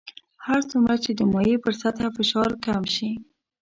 هر څومره چې د مایع پر سطح باندې فشار کم شي.